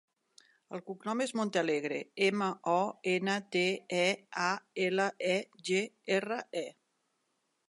El cognom és Montealegre: ema, o, ena, te, e, a, ela, e, ge, erra, e.